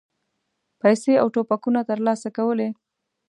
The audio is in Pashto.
پیسې او توپکونه ترلاسه کولې.